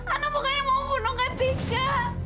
anak bukannya mau bunuh kak tika